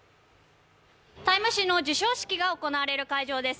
「タイム」誌の授賞式が行われる会場です